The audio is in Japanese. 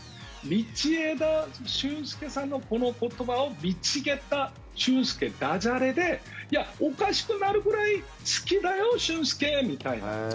道枝駿佑さんの、この言葉をミチゲッタ駿佑だじゃれで、おかしくなるぐらい好きだよ、駿佑みたいな。